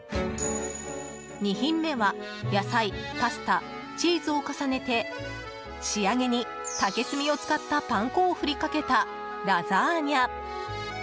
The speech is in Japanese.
２品目は野菜、パスタ、チーズを重ねて仕上げに竹炭を使ったパン粉を振りかけたラザーニャ。